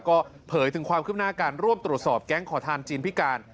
ก็เผยถึงความคืบหน้าการร่วมตรวจสอบแก๊งขอทานจีนพิการ